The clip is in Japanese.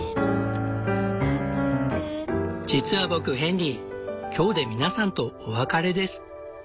実は僕ヘンリー今日で皆さんとお別れです。